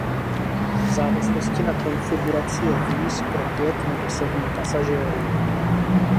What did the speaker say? V závislosti na konfiguraci je vůz pro pět nebo sedm pasažérů.